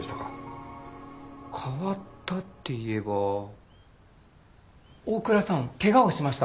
変わったっていえば大倉さん怪我をしました。